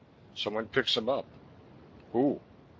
Someone picks him up. Who?